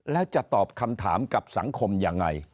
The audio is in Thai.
แล้วจะตอบคำถามกับสังคมยังไง